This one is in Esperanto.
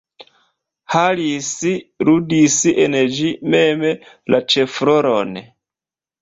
Harris ludis en ĝi mem la ĉefrolon.